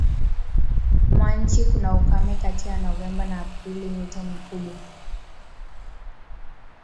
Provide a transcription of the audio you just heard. mwa nchi kuna ukame kati ya Novemba na Aprili Mito mikubwa